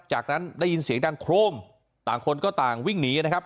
จากนั้นได้ยินเสียงดังโครมต่างคนก็ต่างวิ่งหนีนะครับ